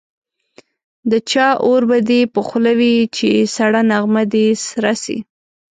د چا اور به دي په خوله وي چي سړه نغمه دي سره سي